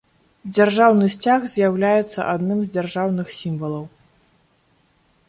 Дзяржаўны сцяг з'яўляецца адным з дзяржаўных сімвалаў.